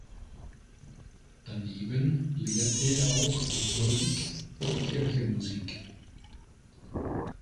Daneben lehrte er auch Liturgik und Kirchenmusik.